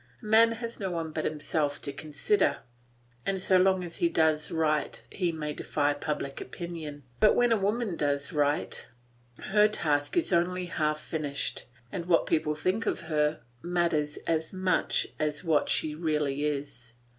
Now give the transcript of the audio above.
A man has no one but himself to consider, and so long as he does right he may defy public opinion; but when a woman does right her task is only half finished, and what people think of her matters as much as what she really is.